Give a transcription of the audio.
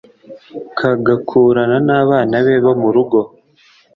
kagakurana n’abana be bo mu rugo